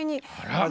あら？